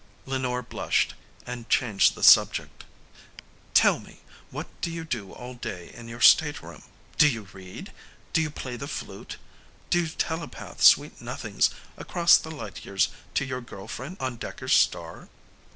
Lenore blushed and changed the subject. "Tell me, what do you do all day in your stateroom? Do you read? Do you play the flute? Do you telepath sweet nothings across the light years to your girl friend on Dekker's star?"